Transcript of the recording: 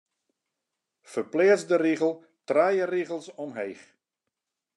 Ferpleats de rigel trije rigels omheech.